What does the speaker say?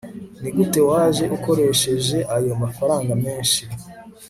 nigute waje ukoresheje ayo mafaranga menshi